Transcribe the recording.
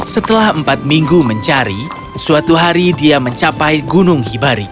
setelah empat minggu mencari suatu hari dia mencapai gunung hibari